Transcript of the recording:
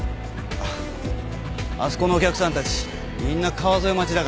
あそこのお客さんたちみんな川添待ちだから。